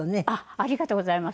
ありがとうございます。